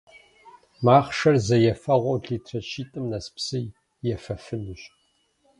Махъшэр зэ ефэгъуэу литрэ щитIым нэс псы ефэфынущ.